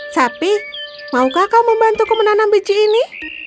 sapi maukah kau membantuku menanam biji ini